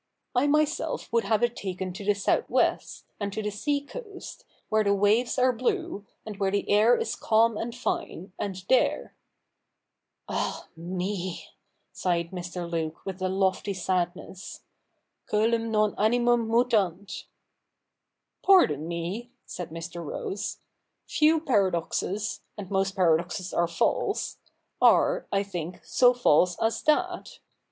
I myself would have it taken to the south west, and to the sea coast, where the waves are blue, and where the air is calm and fine, and there —'' Ah me !' sighed ^Ir. Luke with a lofty sadness, ' ccclum nofi a/iwwm imitanf' ' Pardon me,' said Mr. Rose, ' few paradoxes — and most paradoxes are false — are, I think, so false as that.